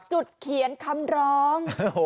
จุดเขียนคำร้อง